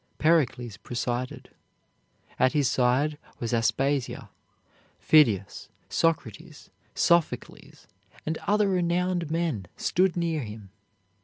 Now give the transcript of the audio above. Pericles presided. At his side was Aspasia. Phidias, Socrates, Sophocles, and other renowned men stood near him.